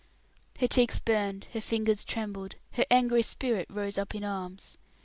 Her cheeks burned, her fingers trembled, her angry spirit rose up in arms.